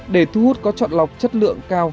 để thu hút có chọn lọc chất lượng cao